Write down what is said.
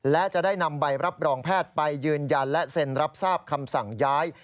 และจะได้นำใบรับรองแพทย์ไปยืนยันและเซ็นรับทราบคำสั่งย้าย